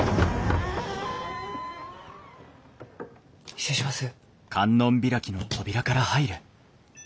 失礼します。